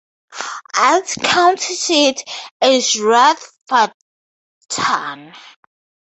Its county seat is Rutherfordton.